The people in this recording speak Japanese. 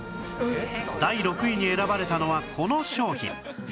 第６位に選ばれたのはこの商品